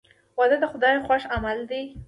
• واده د خدای خوښ عمل دی.